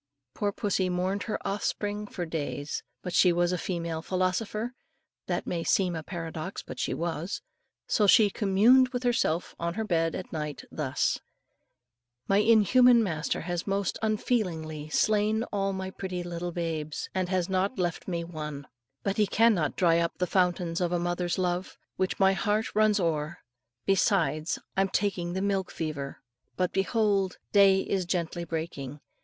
Poor pussy mourned her offspring for many days, but she was a female philosopher that may seem a paradox, but she was; so she communed with herself on her bed at night, thus, "My inhuman master has most unfeelingly slain all my pretty little babes, and has not left me one; but he cannot dry up the fountains of a mother's love, with which my heart runs o'er; besides, I'm taking the milk fever. But behold, day is gently breaking.